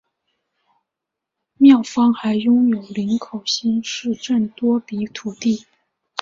庙方还拥有林口新市镇多笔土地。